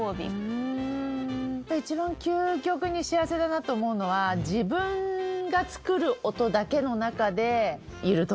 うん一番究極に幸せだなと思うのは自分が作る音だけの中でいる時。